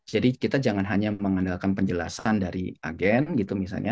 jadi kita jangan hanya mengandalkan penjelasan dari agen gitu misalnya